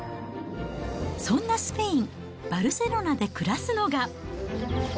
そんなスペイン・バルセロナで暮らすのが。